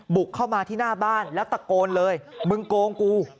บุกเข้ามาที่หน้าบ้านแล้วตะโกนเลยมึงโกงกู